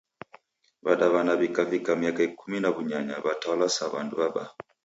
W'adaw'ana w'ikavika miaka Ikumi na w'unyanya w'atalwa sa w'andu w'abaa.